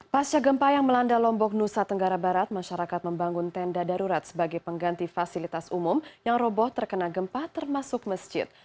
pasca gempa yang melanda lombok nusa tenggara barat masyarakat membangun tenda darurat sebagai pengganti fasilitas umum yang roboh terkena gempa termasuk masjid